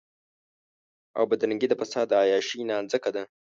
او بدرنګي د فساد د عياشۍ نانځکه ده.